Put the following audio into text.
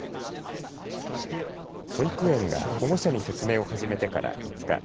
保育園が保護者に説明を始めてから５日。